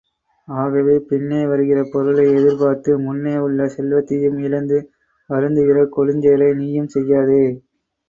ஆகவே பின்னேவருகிற பொருளை எதிர்பார்த்து முன்னே உள்ள செல்வத்தையும் இழந்து வருந்துகிற கொடுஞ் செயலை நீயும் செய்யாதே.